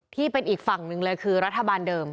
ที่เป็นอีกฝั่งหนึ่งเลยคือรัฐบาลเดิม